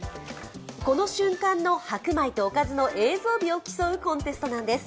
この瞬間の白米とおかずの映像美を競うコンテストなんです。